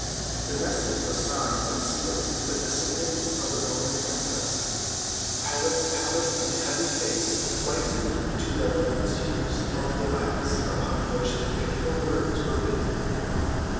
The message was signed and sealed with the signet of the Roman princess. Pilate's pallid and heavy face whitened to the lifeless hues of the wax upon which the fateful words were written.